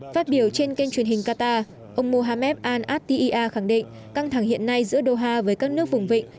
phát biểu trên kênh truyền hình qatar ông mohamed al atiar khẳng định căng thẳng hiện nay giữa doha với các nước vùng vịnh